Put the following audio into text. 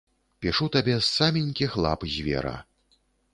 Пішу табе з саменькіх лап звера.